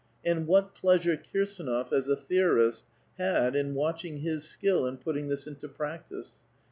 And what pleasure KirsAnof, as a theorist, had in watching his skill in putting this into practice.